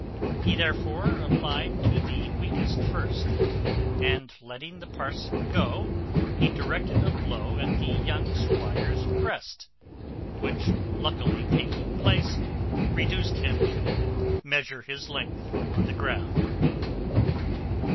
He therefore applied to the weakest first; and, letting the parson go, he directed a blow at the young squire's breast, which luckily taking place, reduced him to measure his length on the ground.